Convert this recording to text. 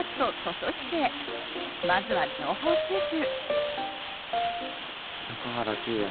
まずは情報収集。